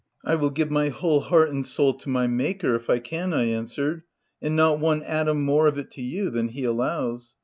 U I will give my whole heart and soul to my Maker if I can," I answered, " and not one atom more of it to you than he allows.